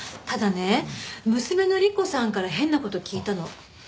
ただね娘の莉子さんから変な事聞いたの。